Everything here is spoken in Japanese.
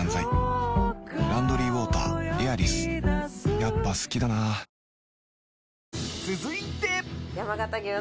やっぱ好きだな続いて。